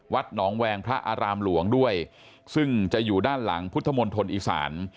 หนองแวงพระอารามหลวงด้วยซึ่งจะอยู่ด้านหลังพุทธมณฑลอีสาน